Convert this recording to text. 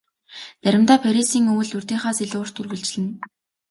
Заримдаа Парисын өвөл урьдынхаас илүү урт үргэлжилнэ.